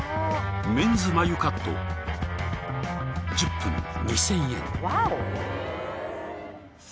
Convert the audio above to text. メンズ眉カット１０分２，０００円。